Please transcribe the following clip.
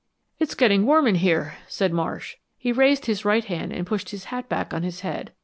"It's getting warm in here," said Marsh. He raised his right hand and pushed his hat back on his head.